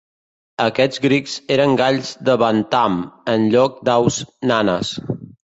Aquests Grigs eren galls de Bantam en lloc d'aus nanes.